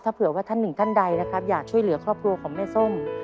ถ้าเผื่อว่าท่านหนึ่งท่านใดนะครับอยากช่วยเหลือครอบครัวของแม่ส้ม